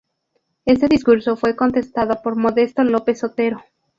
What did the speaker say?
Este discurso fue contestado por Modesto López Otero.